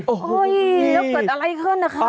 โอ้โหแล้วเกิดอะไรขึ้นนะคะ